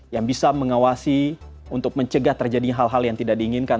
yang bisa mengawasi untuk mencegah terjadi hal hal yang tidak diinginkan